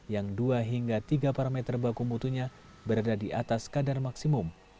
yang dua hingga tiga parameter baku mutunya berada di atas kadar maksimum